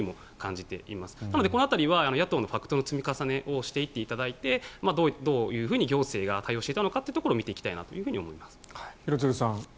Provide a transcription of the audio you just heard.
なのでこの辺りは野党のファクトの積み重ねをしていっていただいてどう行政が対応したのかということを見ていきたいなと思います。